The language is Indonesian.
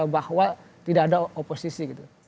bahwa tidak ada oposisi gitu